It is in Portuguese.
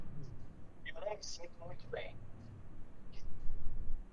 Eu não me sinto muito bem.